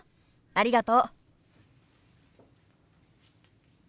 ありがとう。